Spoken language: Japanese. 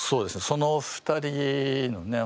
その２人のね